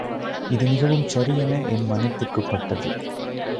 இது மிகவும் சரியென என் மனத்திற்குப் பட்டது.